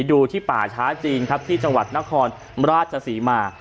ดูที่ป่าช้าจีนครับที่จังหวัดนครราชศรีมา